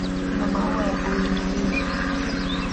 Ina maua ya aina aina.